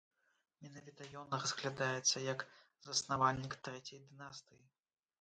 Менавіта ён разглядаецца як заснавальнік трэцяй дынастыі.